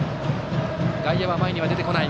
外野は前には出てこない。